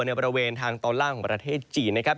ในบริเวณทางตอนล่างของประเทศจีนนะครับ